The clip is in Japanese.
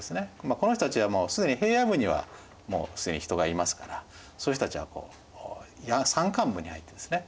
この人たちはもう既に平野部にはもう既に人がいますからそういう人たちは山間部に入ってですね